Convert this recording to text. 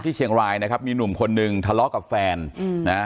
เชียงรายนะครับมีหนุ่มคนนึงทะเลาะกับแฟนนะ